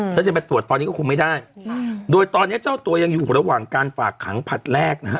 ถ้าจะไปตรวจตอนนี้ก็คงไม่ได้โดยตอนนี้เจ้าตัวยังอยู่ระหว่างการฝากขังผลัดแรกนะฮะ